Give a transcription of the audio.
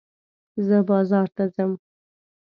زه بازار ته ځم.